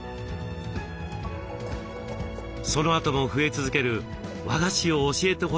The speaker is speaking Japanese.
そのあとも増え続ける「和菓子を教えてほしい」という声。